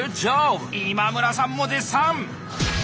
今村さんも絶賛！